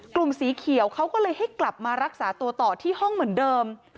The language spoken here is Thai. สีเขียวเขาก็เลยให้กลับมารักษาตัวต่อที่ห้องเหมือนเดิม